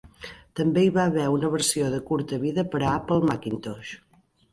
També hi va haver una versió de curta vida per a Apple Macintosh.